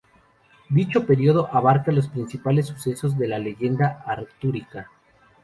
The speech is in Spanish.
Dicho período abarca los principales sucesos de la leyenda artúrica.